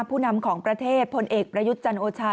ผู้นำของประเทศพลเอกประยุทธ์จันโอชา